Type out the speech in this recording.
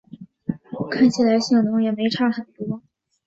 看起来性能也没差很多